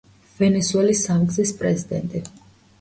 ვენესუელის სამგზის პრეზიდენტი.